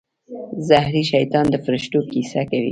زهري شیطان د فرښتو کیسه کوي.